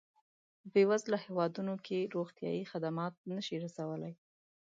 په بېوزله هېوادونو کې روغتیایي خدمات نه شي رسولای.